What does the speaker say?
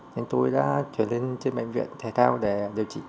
nên tôi đã chuyển lên trên bệnh viện thể thao để điều trị